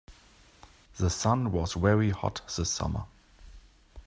The sun was very hot this summer.